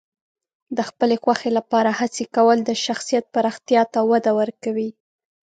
د خپلې خوښې لپاره هڅې کول د شخصیت پراختیا ته وده ورکوي.